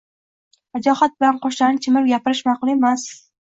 Vajohat bilan qoshlarni chimirib gapirish ma’qul emas.